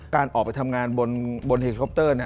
การออกไปทำงานบนเฮลิคอปเตอร์